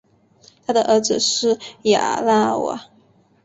他的儿子是亚拉瓦。